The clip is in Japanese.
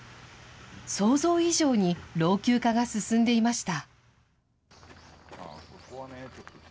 想像以上に老朽化が進んでいました。